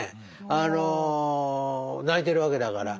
あの泣いてるわけだから。